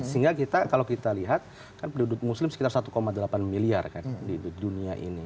sehingga kita kalau kita lihat kan penduduk muslim sekitar satu delapan miliar kan di dunia ini